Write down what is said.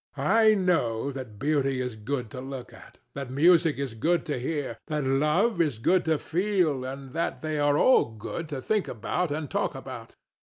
I know that beauty is good to look at; that music is good to hear; that love is good to feel; and that they are all good to think about and talk about.